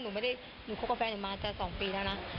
หนูไม่ได้หนูคบกับแฟนหนูมาจะ๒ปีแล้วนะ